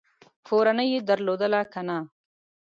کورنۍ یې درلودله که نه ؟